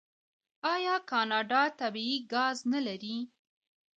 آیا کاناډا طبیعي ګاز نلري؟